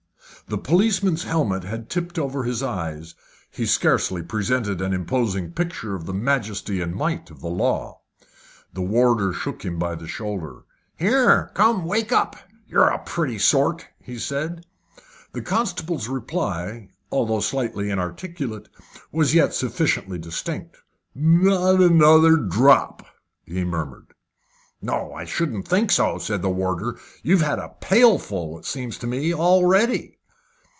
The policeman's helmet had tipped over his eyes he scarcely presented an imposing picture of the majesty and might of the law. The warder shook him by the shoulder. "Here, come wake up. You're a pretty sort," he said. The constable's reply, although slightly inarticulate, was yet sufficiently distinct. "Not another drop!" he murmured. "No, I shouldn't think so," said the warder. "You've had a pailful, it seems to me, already."